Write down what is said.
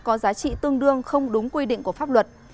có giá trị tương đương không đúng quy định của pháp luật